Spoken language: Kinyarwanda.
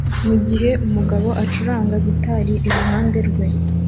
mugihe umugabo acuranga gitari iruhande rwe